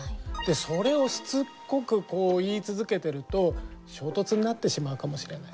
それをしつっこくこう言い続けてると衝突になってしまうかもしれない。